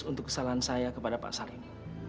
untuk kesalahan saya kepada pak sarim